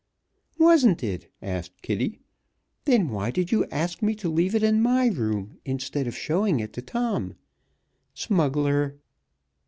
"Wasn't it?" asked Kitty. "Then why did you ask me to leave it in my room, instead of showing it to Tom? Smuggler!"